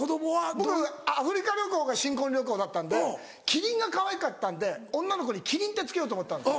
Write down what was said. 僕アフリカ旅行が新婚旅行だったんでキリンがかわいかったんで女の子にキリンって付けようと思った。